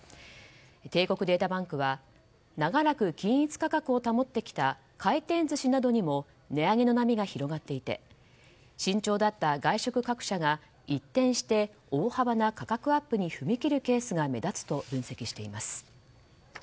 帝国データバンクは長らく均一価格を保ってきた回転寿司などにも値上げの波が広がっていて慎重だった外食各社が一転して大幅な価格アップに踏み切るケースが目立つと分析しています。